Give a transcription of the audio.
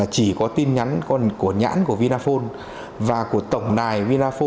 chỉ có tin nhắn của nhãn của vinaphone và của tổng đài vinaphon